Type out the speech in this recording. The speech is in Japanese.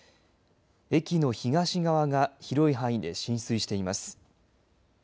駅の東側が広い範囲で浸水しています。